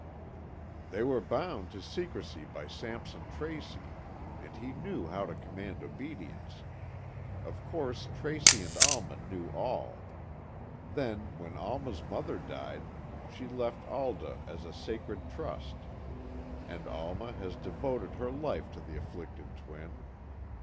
"They were bound to secrecy by Sampson Tracy, and he knew how to command obedience. Of course, Tracy and Alma knew all. Then, when Alma's mother died, she left Alda as a sacred trust, and Alma has devoted her life to the afflicted twin.